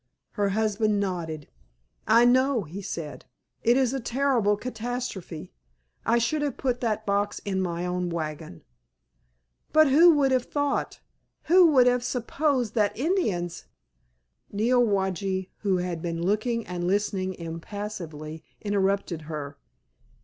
Her husband nodded. "I know," he said. "It is a terrible catastrophe. I should have put that box in my own wagon." "But who would have thought—who would have supposed that Indians——" Neowage who had been looking and listening impassively, interrupted her.